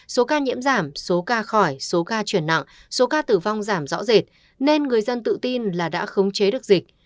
số ca nhiễm giảm số ca khỏi số ca chuyển nặng số ca tử vong giảm rõ rệt nên người dân tự tin là đã khống chế được dịch